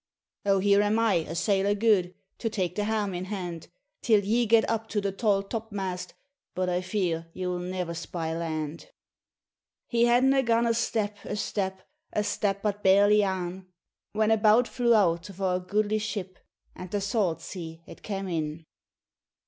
'O here am I, a sailor gude, To take the helm in hand, Till ye get up to the tall top mast: But I fear you'll ne'er spy land.' RAINBOW GOLD He hadna gane a step, a step, A step but barely ane, When a bout flew out of our goodly ship, And the salt sea it came in.